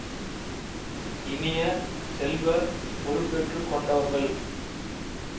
இனிய செல்வ, பொறுப்பேற்றுக் கொண்டவர்கள்.